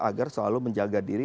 agar selalu menjaga diri